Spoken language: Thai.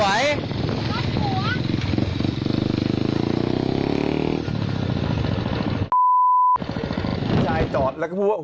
ผู้ชายจอดแล้วก็พูดว่า